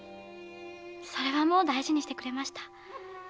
それはもう大事にしてくれました。